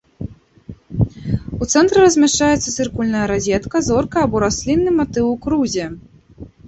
У цэнтры размяшчаецца цыркульная разетка, зорка або раслінны матыў у крузе.